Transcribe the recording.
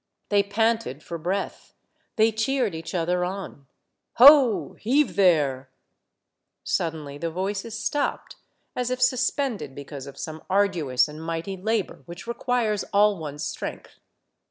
They panted for breath, they cheered each other on. '' Ho ! heave there —" Suddenly the voices stopped, as if suspended because of some arduous and mighty labor which requires all one's strength.